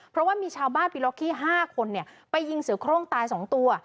เพราะว่ามีชาวบ้านปีล็อกกี้๕คนไปยิงเสือโครงตาย๒ตัว